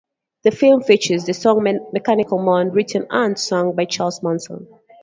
The film features the song "Mechanical Man" written and sung by Charles Manson.